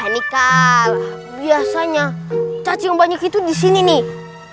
ini kan biasanya cacing banyak itu disini nih